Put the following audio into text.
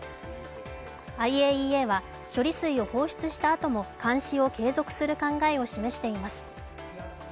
ＩＡＥＡは処理水を放出したあとも監視を継続する考えを示しています。